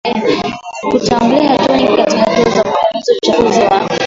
kutanguliza hatua Nyingi kati ya hatua za kupunguza uchafuzi wa